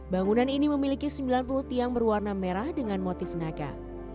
bangunan ini memiliki sembilan puluh tiang berwarna merah dengan motif naga